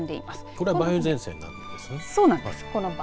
これが梅雨前線ですね。